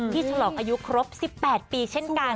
ฉลองอายุครบ๑๘ปีเช่นกัน